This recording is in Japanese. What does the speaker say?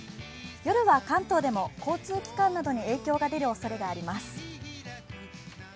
夜は関東でも交通機関などに影響が出るおそれがあります。